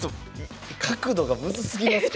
角度がむずすぎますこれ。